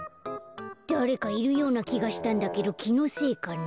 だれかいるようなきがしたんだけどきのせいかな。